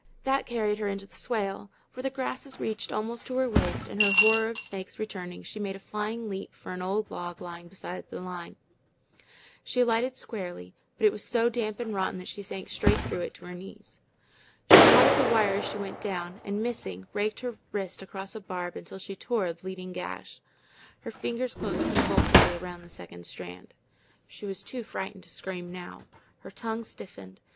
That carried her into the swale, where the grasses reached almost to her waist, and her horror of snakes returning, she made a flying leap for an old log lying beside the line. She alighted squarely, but it was so damp and rotten that she sank straight through it to her knees. She caught at the wire as she went down, and missing, raked her wrist across a barb until she tore a bleeding gash. Her fingers closed convulsively around the second strand. She was too frightened to scream now. Her tongue stiffened.